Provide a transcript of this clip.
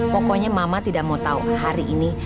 pokoknya mama tidak mau tahu hari ini